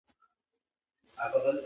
باسواده میندې ماشومانو ته کتاب ډالۍ کوي.